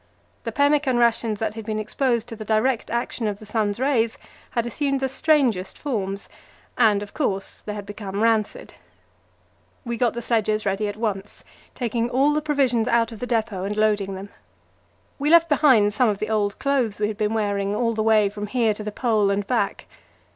The pemmican rations that had been exposed to the direct action of the sun's rays had assumed the strangest forms, and, of course, they had become rancid. We got the sledges ready at once, taking all the provisions out of the depot and loading them. We left behind some of the old clothes we had been wearing all the way from here to the Pole and back.